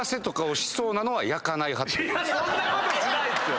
そんなことしないっすよ！